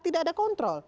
tidak ada kontrol